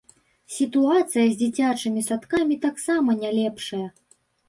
Сітуацыя з дзіцячымі садкамі таксама не лепшая.